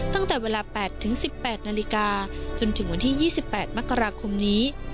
ตั้งแต่เวลา๘๑๘นาฬิกาจนถึงวันที่๒๘มกราคมนี้